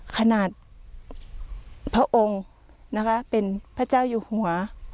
พระองค์นะคะเป็นพระเจ้าอยู่หัว